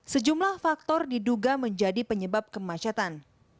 sejumlah faktor diduga menjadi penyebab kemacetan